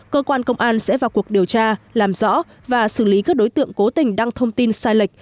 cơ quan công an sẽ vào cuộc điều tra làm rõ và xử lý các đối tượng cố tình đăng thông tin sai lệch